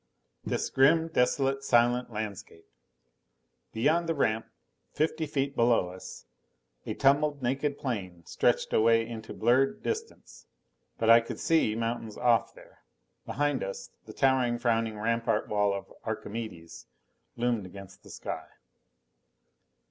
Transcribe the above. This grim, desolate, silent landscape! Beyond the ramp, fifty feet below us, a tumbled naked plain stretched away into blurred distance. But I could see mountains off there. Behind us, the towering, frowning rampart wall of Archimedes loomed against the sky.